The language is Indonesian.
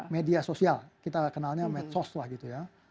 media sosial kita kenalnya medsos lah gitu ya